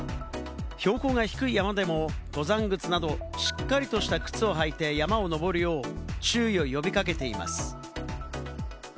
標高が低い山でも登山靴など、しっかりとした靴を履いて山を登るよう注意を呼び掛けています。